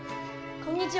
こんにちは。